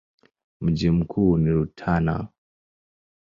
Mji mkuu ni Rutana.